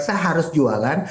saya harus jualan